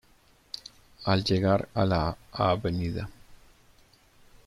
Al llegar a la Av.